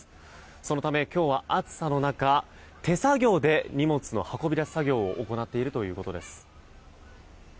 そのため、今日は暑さの中手作業で荷物の運び出し作業を行っているということです。